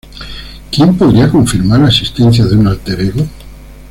¿Quién podría confirmar la existencia de un Alter Ego?